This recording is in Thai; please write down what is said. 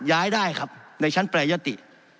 ย้ายได้ครับในชั้นแปรยติ